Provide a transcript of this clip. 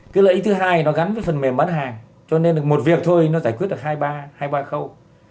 cái lợi ích thứ hai nó gắn với phần mềm bán hàng cho nên một việc thôi nó giải quyết được hai ba khâu